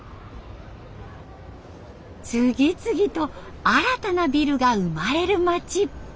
次々と新たなビルが生まれる町。